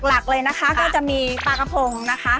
หลักเลยนะคะก็จะมีปลากระพงนะคะ